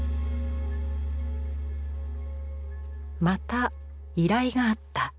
また依頼があった。